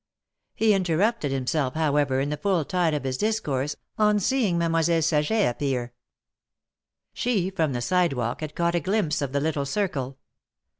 He interrupted himself, however, in the full tide of his discourse, on seeing Mademoiselle Saget appear. She, from the sidewalk, had caught a glimpse of the little circle.